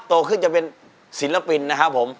โตขึ้นจะเป็นศิลปินนะครับผม